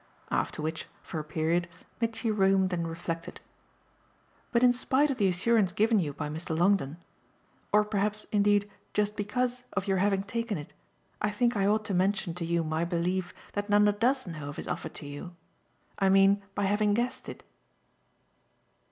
After which, for a period, Mitchy roamed and reflected. "But in spite of the assurance given you by Mr. Longdon or perhaps indeed just because of your having taken it I think I ought to mention to you my belief that Nanda does know of his offer to you. I mean by having guessed it."